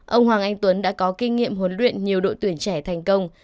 ông hoàng anh tuấn đã có kinh nghiệm huấn luyện nhiều đội tuyển trẻ thành công